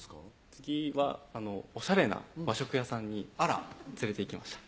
次はおしゃれな和食屋さんに連れていきました